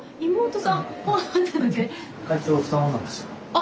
あ！